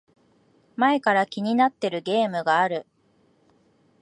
前から気になってるゲームがある